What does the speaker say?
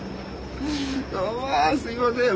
うわすいません。